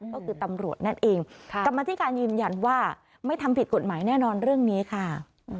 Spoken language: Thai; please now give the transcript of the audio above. ก็คือตำรวจนั่นเองกรรมธิการยืนยันว่าไม่ทำผิดกฎหมายแน่นอนเรื่องนี้ค่ะ